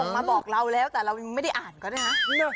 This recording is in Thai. มาบอกเราแล้วแต่เรายังไม่ได้อ่านก็ได้นะ